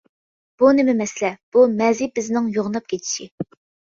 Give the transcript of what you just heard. بۇ نېمە مەسىلە؟ بۇ مەزى بېزىنىڭ يوغىناپ كېتىشى.